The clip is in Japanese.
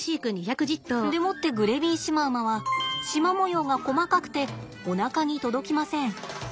でもってグレビーシマウマはシマ模様が細かくておなかに届きません。